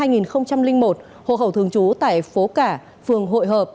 sinh năm hai nghìn một hộ khẩu thường trú tại phố cả phường hội hợp